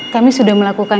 kami sudah melakukan